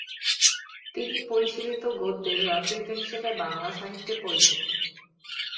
তিনি পরিশীলিত গদ্যের রচয়িতা হিসেবে বাংলা সাহিত্যে পরিচিত।